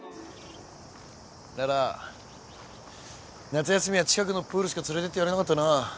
夏休みは近くのプールしか連れてってやれなかったな。